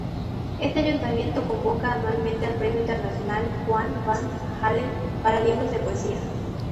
Este Ayuntamiento convoca anualmente el Premio Internacional Juan Van-Halen para libros de poesía.